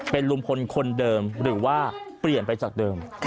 เป็นลุงพลคนเดิมหรือว่าเปลี่ยนไปจากเดิม